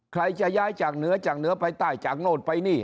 ใครจะย้ายจากเหนือจากเหนือไปใต้จากโน่นไปนี่